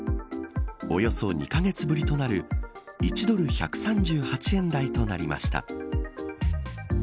およそ２カ月ぶりとなる１ドル１３８円台となりました。